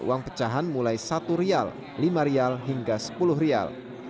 uang pecahan mulai rp satu rp lima hingga rp sepuluh